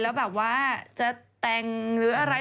ก็รอดูจะแต่งอะไร